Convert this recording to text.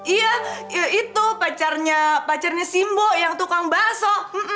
iya ya itu pacarnya pacarnya simbo yang tukang baso